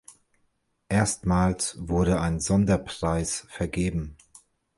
Erstmals wurde ein "Sonderpreis" vergeben.